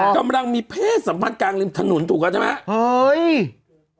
กำลังมีเพศสัมพันธ์กลางริมถนนถูกแล้วใช่ไหม